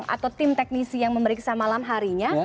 atau tim teknisi yang memeriksa malam harinya